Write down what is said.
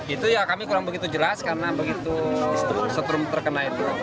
itu ya kami kurang begitu jelas karena begitu setrum terkena itu